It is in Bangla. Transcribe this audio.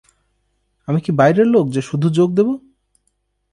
আমি কি বাইরের লোক যে শুধু যোগ দেব!